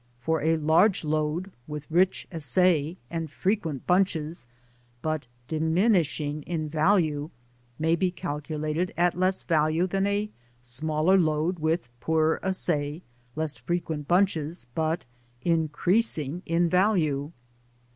For a large lode, with rich assay, and fre quent bunches, but diminishing in value, may be calculate at less value than a smaller lode with poorer assay, less frequent bunches, but increase ing in value.